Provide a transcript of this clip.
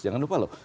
jangan lupa loh